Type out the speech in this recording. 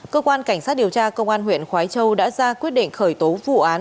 cơ quan cảnh sát điều tra công an huyện khói châu đã ra quyết định khởi tố vụ án